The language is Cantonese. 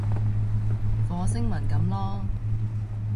火星文噉囉